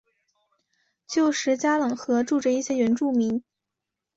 旧时加冷河住着一些原住民。